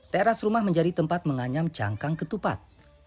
teras rumah menjadi tempat menganyam cangkang ketupat